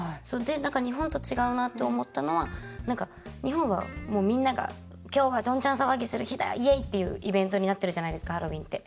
日本と違うなと思ったのは日本は、みんなが今日はどんちゃん騒ぎする日だよイエイ！っていうイベントになってるじゃないですか、ハロウィーンって。